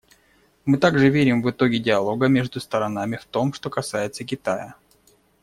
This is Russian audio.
Мы также верим в итоги диалога между сторонами в том, что касается Китая.